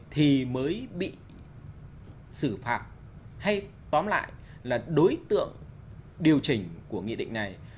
thì mới bị xử phạt hay tóm lại là đối tượng điều chỉnh của nghị định này